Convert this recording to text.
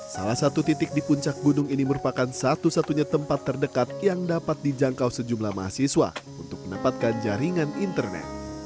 salah satu titik di puncak gunung ini merupakan satu satunya tempat terdekat yang dapat dijangkau sejumlah mahasiswa untuk mendapatkan jaringan internet